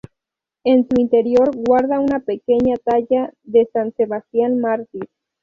En su interior guarda una pequeña talla de San Sebastián Mártir.